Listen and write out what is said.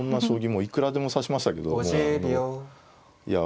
もういくらでも指しましたけどいや